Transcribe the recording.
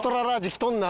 着とんな。